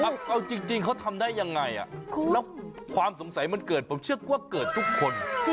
เอาจริงเขาทำได้ยังไงแล้วความสงสัยมันเกิดผมเชื่อว่าเกิดทุกคน